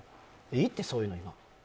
いいって、そういうのもう。